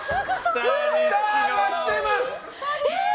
スターが来てます！